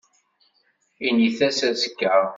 Init-as azekka.